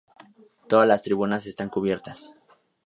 Todas las tribunas están cubiertas.